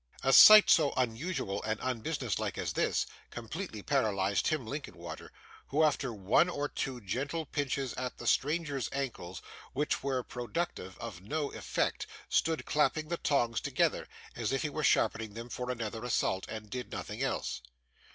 A sight so unusual and unbusiness like as this, completely paralysed Tim Linkinwater, who, after one or two gentle pinches at the stranger's ankles, which were productive of no effect, stood clapping the tongs together, as if he were sharpening them for another assault, and did nothing else.